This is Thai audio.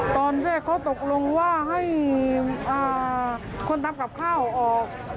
ตอนแรกเขาตกลงว่าให้คนทำกับข้าวออก